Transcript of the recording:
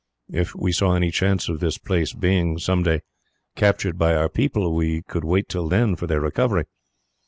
If we saw any chance of this place being, someday, captured by our people, we could wait till then for their recovery.